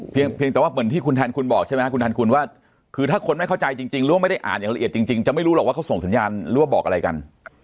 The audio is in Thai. เพียงแต่ว่าเหมือนที่คุณแทนคุณบอกใช่ไหมครับคุณแทนคุณว่าคือถ้าคนไม่เข้าใจจริงหรือว่าไม่ได้อ่านอย่างละเอียดจริงจะไม่รู้หรอกว่าเขาส่งสัญญาณหรือว่าบอกอะไรกัน